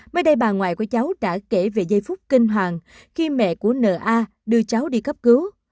mới đây bà ngoại của cháu đã kể về giây phút kinh hoàng khi mẹ của na đưa cháu đi cấp cứu